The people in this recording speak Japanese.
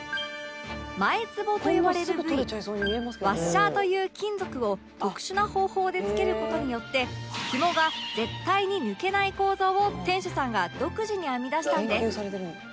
前つぼと呼ばれる部位ワッシャーという金属を特殊な方法でつける事によって紐が絶対に抜けない構造を店主さんが独自に編み出したんです